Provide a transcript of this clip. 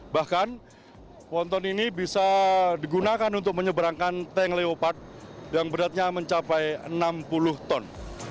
bahkan ponton ini bisa digunakan untuk menyeberangkan tank leopard yang beratnya mencapai enam puluh ton